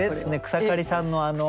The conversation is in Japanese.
草刈さんのあの。